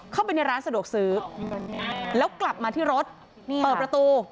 เข้าไปในร้านสะดวกซื้อแล้วกลับมาที่รถนี่เปิดประตู